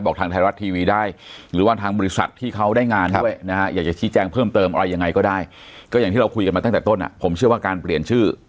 บอกทางไทยรัฐทีวีได้หรือว่าทางบริษัทที่เขาได้งานด้วย